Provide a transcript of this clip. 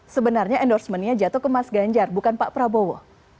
sebenarnya endorsementnya jatuh ke mas ganjar bukan pak prabowo